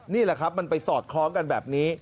นี่แหละครับมันไปสอดคล้องกันแบบนี้